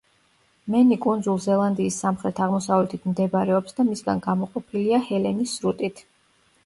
მენი კუნძულ ზელანდიის სამხრეთ-აღმოსავლეთით მდებარეობს და მისგან გამოყოფილია ჰელენის სრუტით.